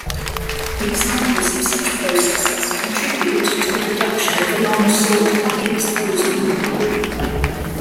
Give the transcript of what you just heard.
Examples of such processes contribute to the production of the long-sought Higgs boson.